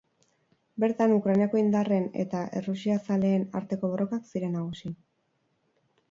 Bertan, Ukrainako indarren eta errusiazaleen arteko borrokak ziren nagusi.